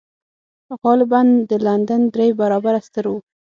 غالباً د لندن درې برابره ستر و